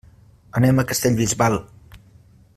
Anem a Castellbisbal.